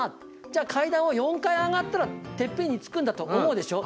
じゃ階段は４階上がったらてっぺんに着くんだと思うでしょ。